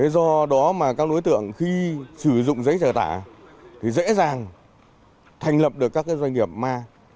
do đó mà các đối tượng khi sử dụng giấy trò tả thì dễ dàng thành lập được các cái doanh nghiệp ma